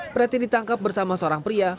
preti ditangkap bersama seorang pria